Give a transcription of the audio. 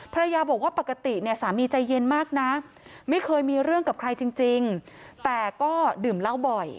ภรรยาบอกว่าปกติเนี่ยสามีใจเย็นมากนะไม่เคยมีเรื่องกับใครจริงแต่ก็ดื่มเหล้าบ่อย